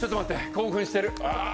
興奮してる。